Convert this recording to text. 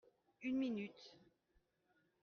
Une minute.